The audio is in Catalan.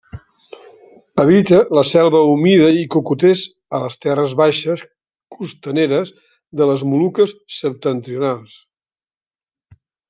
Habita la selva humida i cocoters a les terres baixes costaneres de les Moluques septentrionals.